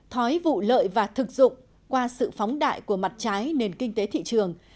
thói vụ lợi và thực dụng qua sự phóng đại của mặt trái nền kinh tế thị trường